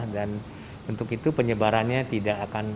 dan untuk itu penyebarannya tidak